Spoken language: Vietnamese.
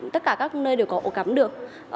tất cả các nơi đều có ổ cắm được